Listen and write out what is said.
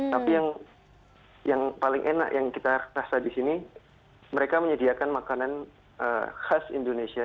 tapi yang paling enak yang kita rasa di sini mereka menyediakan makanan khas indonesia